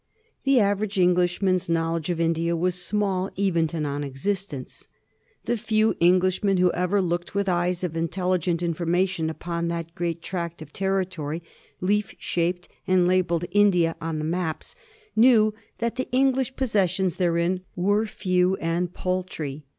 The aver age Englishman's knowledge of India was small even to non existence. The few Englishmen who ever looked with eyes of intelligent information upon that great tract of territory, leaf shaped, and labelled India on the maps, knew that the English possessions therein were few and paltry.